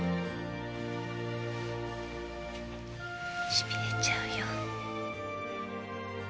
しびれちゃうよ。